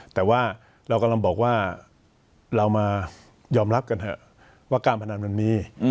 แต่ว่าเรากำลังบอกว่าเรามายอมรับกันเถอะว่าการพนันมันมี